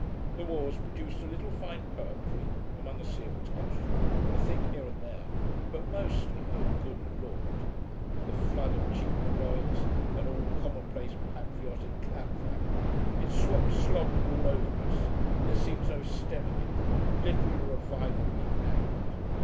The war's produced a little fine poetry, among a sea of tosh a thing here and there; but mostly oh, good Lord! The flood of cheap heroics and commonplace patriotic claptrap it's swept slobbering all over us; there seems no stemming it. Literary revival be hanged.